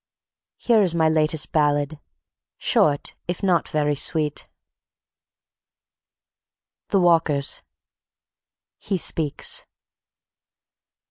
Here is my latest ballad, short if not very sweet: The Walkers (_He speaks.